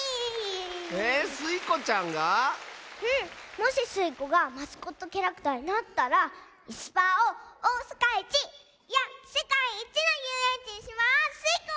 もしスイ子がマスコットキャラクターになったらいすパーをおおさかいちいやせかいいちのゆうえんちにしまスイ子！